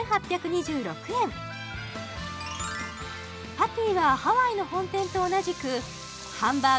パティはハワイの本店と同じくさらにバンズに